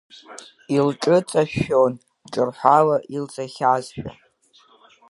Илҿыҵышәшәон, ҿырҳәала илҵахьазшәа.